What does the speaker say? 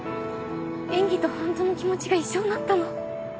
演技と本当の気持ちが一緒になったの。